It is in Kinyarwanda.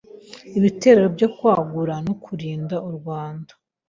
Ibitero byo kwagura no kurinda u Rwanda